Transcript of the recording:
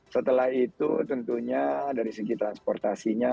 setelah itu tentunya dari segi transportasinya